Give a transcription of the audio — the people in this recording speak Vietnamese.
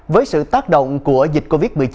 với sự tác động của dịch covid một mươi chín